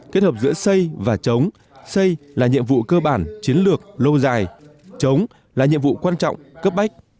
kết hợp giữa xây và chống xây là nhiệm vụ cơ bản chiến lược lâu dài chống là nhiệm vụ quan trọng cấp bách